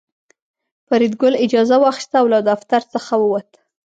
فریدګل اجازه واخیسته او له دفتر څخه ووت